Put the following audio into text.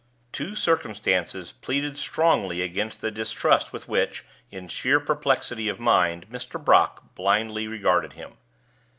Two circumstances pleaded strongly against the distrust with which, in sheer perplexity of mind, Mr. Brock blindly regarded him.